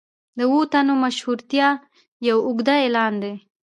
د اوو تنو مشهورتیا یو اوږده اعلان دی.